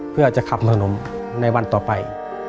เพื่อจะขับขนมในวันต่อไป